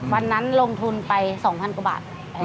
วันนั้นลงทุนไป๒๐๐กว่าบาท